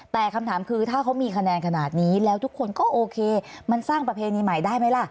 แต่คำถามคือถ้าเขามีคะแนนขนาดนี้แล้วทุกคนก็โอเคมันสร้างประเพณีใหม่ได้ไหมล่ะ